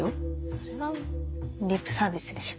それはリップサービスでしょ。